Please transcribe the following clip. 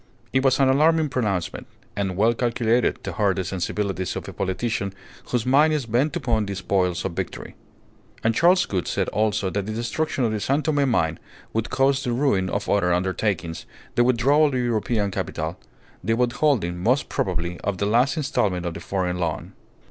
It was an alarming pronouncement, and well calculated to hurt the sensibilities of a politician whose mind is bent upon the spoils of victory. And Charles Gould said also that the destruction of the San Tome mine would cause the ruin of other undertakings, the withdrawal of European capital, the withholding, most probably, of the last instalment of the foreign loan.